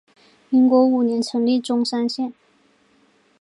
民国五年成立钟山县。